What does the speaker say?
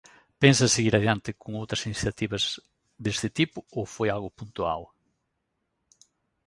Pensa seguir adiante con outras iniciativas deste tipo ou foi algo puntual?